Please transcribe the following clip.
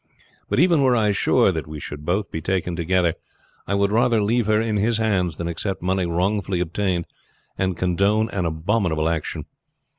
But even were I sure that we should both be taken together, I would rather leave her in His hands than accept money wrongfully obtained and condone an abominable action.